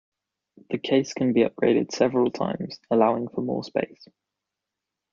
The case can be upgraded several times, allowing for more space.